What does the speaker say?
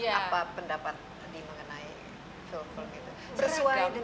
apa pendapat andi mengenai film film itu